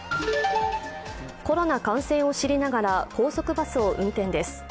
コロナ感染を知りながら高速バスを運転です。